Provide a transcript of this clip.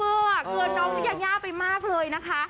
หลอดเราเงียดเลี้ยไปมากเลยนะคะ